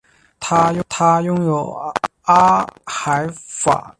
它拥有阿海珐。